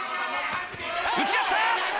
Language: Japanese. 打ち合った！